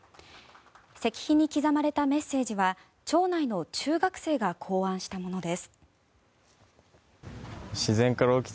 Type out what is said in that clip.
石碑に刻まれたメッセージは町内の中学生が考案したものです。